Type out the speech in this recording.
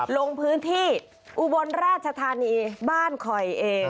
ลงพื้นที่อุบลราชธานีบ้านคอยเอ